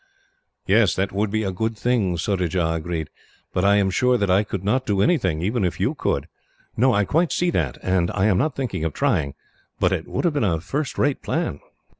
"Yes, that would be a good thing," Surajah agreed; "but I am sure that I could not do anything, even if you could." "No, I quite see that, and I am not thinking of trying; but it would have been a first rate plan."